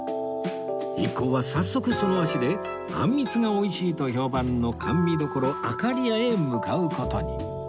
一行は早速その足であんみつが美味しいと評判の甘味処あかりやへ向かう事に